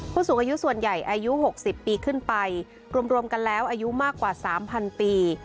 ผู้สูงอายุส่วนใหญ่อายุ๖๐ปีขึ้นไปรวมกันแล้วอายุมากกว่า๓๐๐ปี